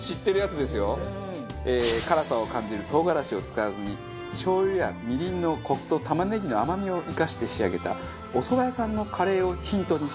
辛さを感じる唐辛子を使わずにしょうゆやみりんのコクと玉ねぎの甘みを生かして仕上げたお蕎麦屋さんのカレーをヒントにした。